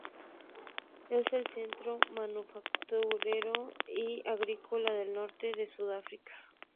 Es el centro manufacturero y agrícola del noreste de Sudáfrica.